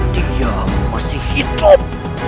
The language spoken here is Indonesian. dia masih hidup